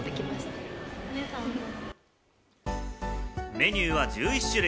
メニューは１１種類。